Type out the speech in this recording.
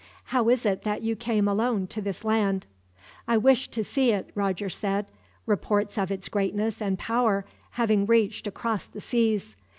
"How is it that you came alone to this land?" "I wished to see it," Roger said, "reports of its greatness and power having reached across the seas.